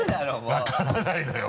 分からないのよ